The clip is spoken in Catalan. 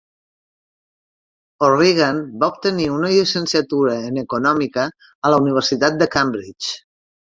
O'Regan va obtenir una llicenciatura en econòmica a la Universitat de Cambridge.